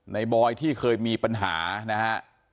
บอยที่เคยมีปัญหานะฮะ